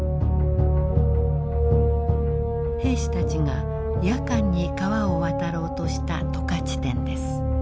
兵士たちが夜間に川を渡ろうとした渡河地点です。